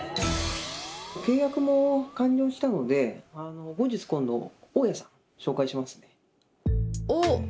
契約も完了したので後日今度大家さん紹介しますね。